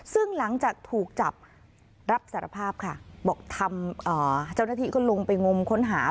ซึ่งหลังจากถูกจับรับสารภาพค่ะบอกทำเจ้าหน้าที่ก็ลงไปงมค้นหา